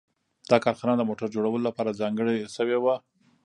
دا کارخانه د موټر جوړولو لپاره ځانګړې شوې وه